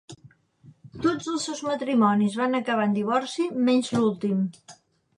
Tots els seus matrimonis van acabar en divorci menys l'últim.